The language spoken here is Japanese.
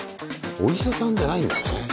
お医者さんじゃないんだね。